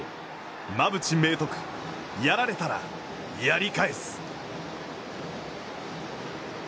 馬淵明徳、やられたらやり返す。